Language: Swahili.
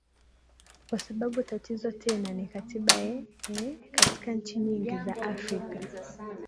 kwa sababu tatizo tena ni katiba eeh eh katika nchi nyingi za afrika